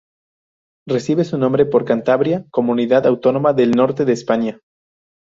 Recibe su nombre por Cantabria, comunidad autónoma del norte de España.